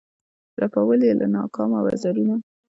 رپول یې له ناکامه وزرونه